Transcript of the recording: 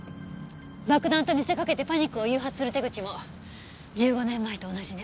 爆弾と見せかけてパニックを誘発する手口も１５年前と同じね。